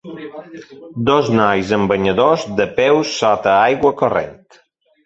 Dos nois en banyadors de peu sota aigua corrent.